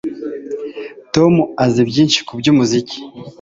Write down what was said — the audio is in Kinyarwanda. Tom azi byinshi kubyumuziki